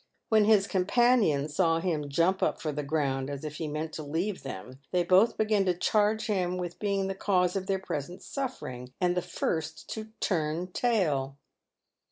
When his companions saw him jump up from the ground as if he meant to leave them, they both began to charge him with being the cause of their present suffering, and the first to " turn tail."